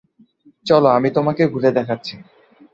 চলো, আমি তোমাকে ঘুরে দেখাচ্ছি।